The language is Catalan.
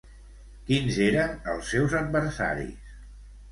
Quins eren els seus adversaris?